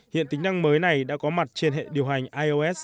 hiện tính năng mới này đã có mặt trên hệ điều hành ios